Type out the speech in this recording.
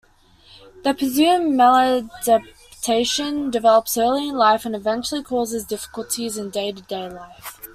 The presumed maladaption develops early in life and eventually causes difficulties in day-to-day life.